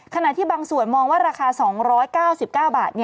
ขณะที่บางส่วนมองว่าราคา๒๙๙บาท